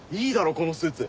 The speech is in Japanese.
このスーツ。